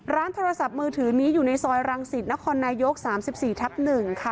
ร้านโทรศัพท์มือถือนี้อยู่ในซอยรังสิทธิ์นครนายโยคสามสิบสี่ทับหนึ่งค่ะ